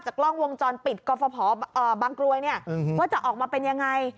จากกล้องวงจรปิดกฎภบังกลวยว่าจะออกมาเป็นยังไง